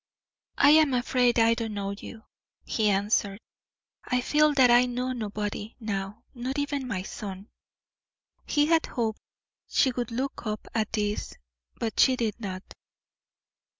"I am afraid I don't know you," he answered. "I feel that I know nobody now, not even my son." He had hoped she would look up at this, but she did not.